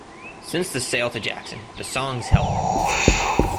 Since the sale to Jackson, the songs Help!